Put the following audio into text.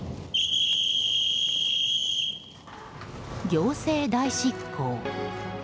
行政代執行。